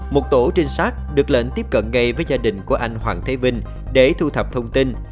một tổ trinh sát được lệnh tiếp cận ngay với gia đình của anh hoàng thế vinh để thu thập thông tin